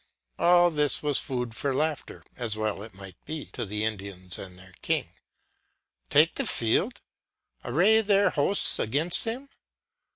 3All this was food for laughter, as well it might be, to the Indians and their king: Take the field? array their hosts against him?